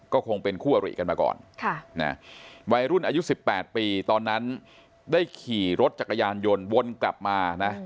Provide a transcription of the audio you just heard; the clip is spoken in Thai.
ก็คงเป็นคู่อริกันมาก่อนวัยรุ่นอายุ๑๘ปีตอนนั้นได้ขี่รถจักรยานยนต์วนกลับมานะ